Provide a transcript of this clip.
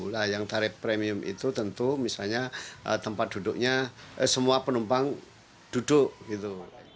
nah yang tarif premium itu tentu misalnya tempat duduknya semua penumpang duduk gitu